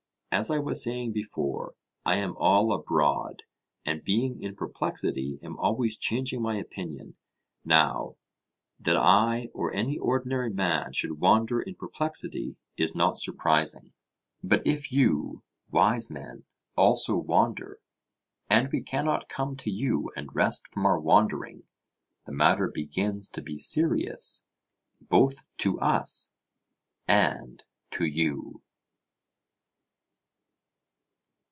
As I was saying before, I am all abroad, and being in perplexity am always changing my opinion. Now, that I or any ordinary man should wander in perplexity is not surprising; but if you wise men also wander, and we cannot come to you and rest from our wandering, the matter begins to be serious both to us and to you.